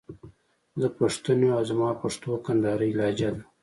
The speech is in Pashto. زه پښتون يم او زما پښتو کندهارۍ لهجه ده.